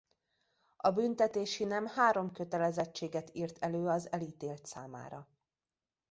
A büntetési nem három kötelezettséget írt elő az elítélt számára.